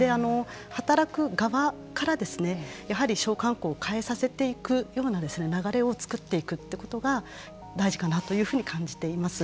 働く側からやはり商慣行を変えさせていくような流れを作っていくということが大事かなというふうに感じています。